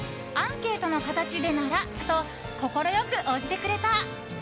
アンケートの形でならと快く応じてくれた。